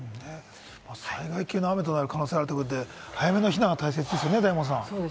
災害級の雨となる可能性があるということで、早めの避難が大切ですね、大門さん。